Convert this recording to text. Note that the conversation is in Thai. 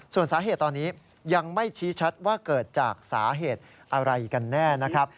ส่วนสาเหตุตอนนี้ยังไม่ชี้ชัดว่าเกิดจากสาเหตุอะไรกันแน่นะครับ